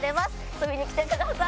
遊びに来てください！